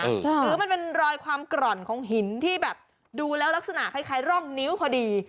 หรือมันเป็นรอยความกร่อนของหินที่แบบดูแล้วลักษณะคล้ายร่องนิ้วพอดี